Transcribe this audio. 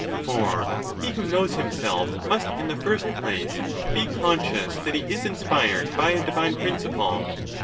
For he who knows himself must in the first place be con scious that he is inspired by a divine principle.